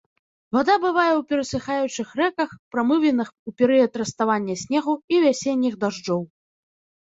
Вада бывае ў перасыхаючых рэках, прамывінах у перыяд раставання снегу і вясенніх дажджоў.